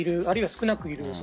あるいは、少なくいる。